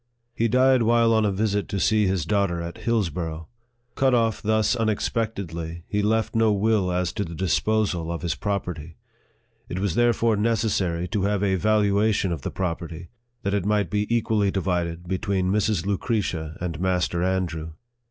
He died while on a visit to see his daughter at Hillsborough. Cut off thus unexpectedly, he left no will as to the disposal of his property. It was there fore necessary to have a valuation of the property, that it might be equally divided between Mrs. Lucretia and Master Andrew.